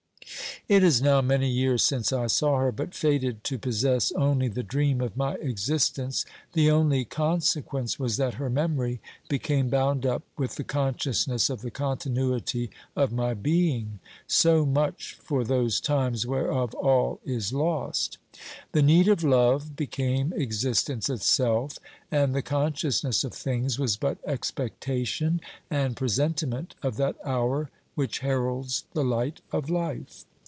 It is now many years since I saw her, but fated to possess only the dream of my existence, the only conse quence was that her memory became bound up with the consciousness of the continuity of my being. So much for those times whereof all is lost. The need of love became existence itself, and the con sciousness of things was but expectation and presentiment of that hour which heralds the light of life.